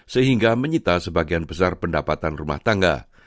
sehingga menyita sebagian besar pendapatan rumah tangga